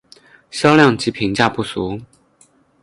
销量及评价不俗。